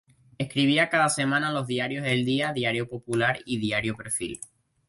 Escribía cada semana en los diarios "El Día", "Diario Popular" y "Diario Perfil".